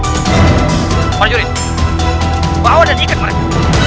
raja juris bawa dan ikat mereka